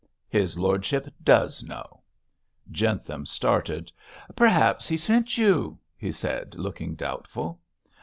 'His lordship does know.' Jentham started. 'Perhaps he sent you?' he said, looking doubtful.